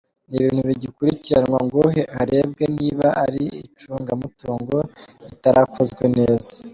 Ni ibintu bigikurikiranwa ngo harebwe niba ari icungamutungo ritarakozwe neza.